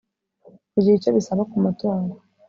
Kugira icyo bisaba ku mutungo